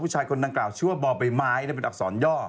ผู้ชายคนนั้นกล่าวชื่อว่าบอร์เบยไหม้เป็นอกษรย่อ